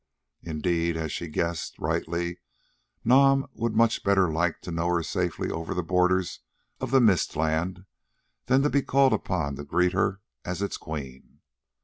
Indeed, as she guessed rightly, Nam would much better like to know her safely over the borders of the Mist land than to be called upon to greet her as its queen.